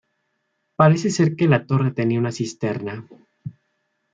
Parece ser que la torre tenía una cisterna.